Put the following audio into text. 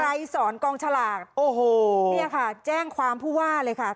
สอนกองฉลากโอ้โหเนี่ยค่ะแจ้งความผู้ว่าเลยค่ะ